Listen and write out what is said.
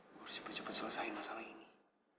gua harus cepet cepet selesain masalah ini